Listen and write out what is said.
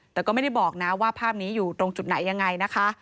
แต่ก็ไม่ได้บอกนะว่าภาพนี้อยู่ตรงจุดไหนยังไงนะคะ